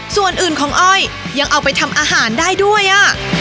ส่วนอื่นของอ้อยยังเอาไปทำอาหารได้ด้วยอ่ะ